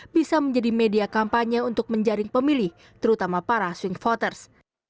bisa menjadi media kampanye untuk menjaring pemilih terutama para swing voters